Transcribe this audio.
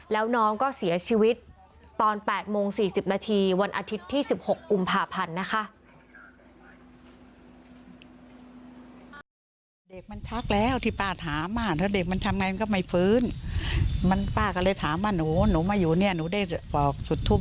แล้วน้องก็เสียชีวิตตอน๘โมง๔๐นาทีวันอาทิตย์ที่๑๖กุมภาพันธ์นะคะ